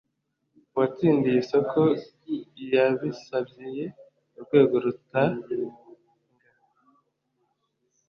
uwatsindiye isoko yabisabiye urwego rutanga